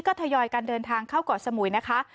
ก็ทยอยกันเดินทางเข้าเกาะสมุยนะคะ